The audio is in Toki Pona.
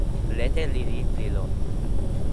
lete lili li lon.